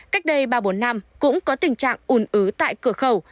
cách đây ba bốn năm cũng có tình trạng ủn ứ tại cửa khẩu